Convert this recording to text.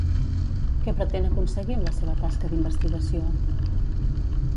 Què pretén aconseguir amb la seva tasca d'investigació?